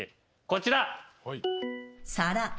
こちら。